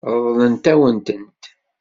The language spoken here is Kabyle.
Ṛeḍlent-awen-tent.